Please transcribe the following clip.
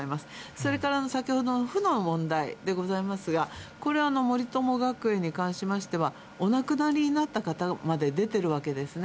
それから先ほどの負の問題でございますが、これは森友学園に関しては、お亡くなりなった方まで出てるわけですね。